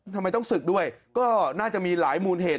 ทำไมต้องศึกด้วยก็น่าจะมีหลายมูลเหตุ